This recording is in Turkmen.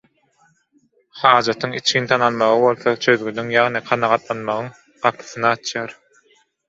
Hajatyň içgin tanalmagy bolsa çözgüdiň ýagny kanagatlanmagyň gapysyny açýar.